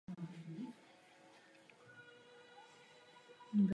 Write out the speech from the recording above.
Bombardování Košic posloužilo jako záminka vstupu Maďarska do války.